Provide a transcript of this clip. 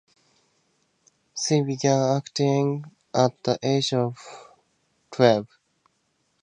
She began acting at the age of twelve.